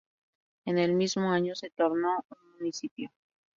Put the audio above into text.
En el mismo año, se tornó un municipio.